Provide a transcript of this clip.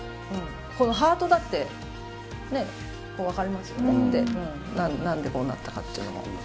このハートだって、ね、分かりますよねって、なんでこうなったかっていうのも。